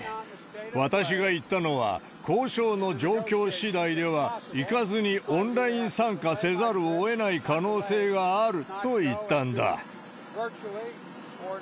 私が言ったのは、交渉の状況しだいでは、行かずにオンライン参加せざるをえない可能性があると言ったんだ。